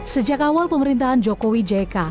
sejak awal pemerintahan jokowi jk